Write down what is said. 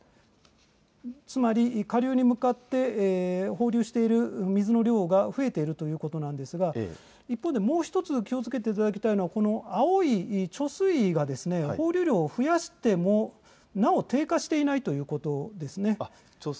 つまり下流に向かって放流している水の量が増えているということなんですが一方で、もう１つ気をつけていただきたいのは青い貯水位が放流量を増やしてもなお低下していないということです。